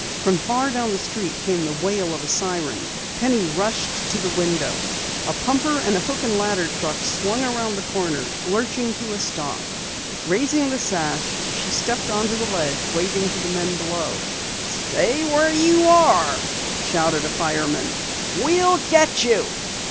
From far down the street came the wail of a siren. Penny rushed to a window. A pumper and a hook and ladder truck swung around the corner, lurching to a stop. Raising the sash, she stepped out onto the ledge, waving to the men below. "Stay where you are!" shouted a fireman. "We'll get you!"